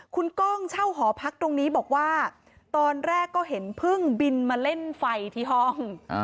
คุณก้องเช่าหอพักตรงนี้บอกว่าตอนแรกก็เห็นพึ่งบินมาเล่นไฟที่ห้อง